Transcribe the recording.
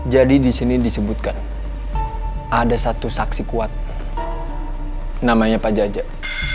jadi disini disebutkan ada satu saksi kuat namanya pak jajak